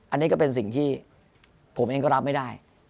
อันนี้ก็เป็นสิ่งที่ผมเองก็รับไม่ได้